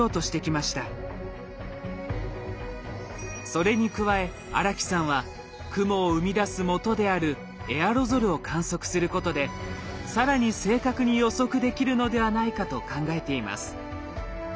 それに加え荒木さんは雲を生み出すもとであるエアロゾルを観測することで更に正確に予測できるのではないかと考えています。